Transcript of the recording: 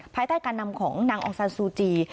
ภายใต้การนำของนางองซานซูจี